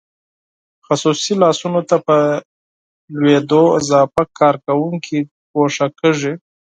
خصوصي لاسونو ته په لوېدو اضافه کارکوونکي ګوښه کیږي.